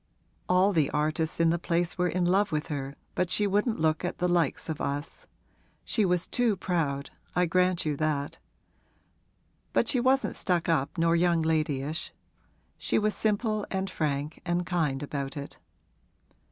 All the artists in the place were in love with her but she wouldn't look at 'the likes' of us. She was too proud I grant you that; but she wasn't stuck up nor young ladyish; she was simple and frank and kind about it.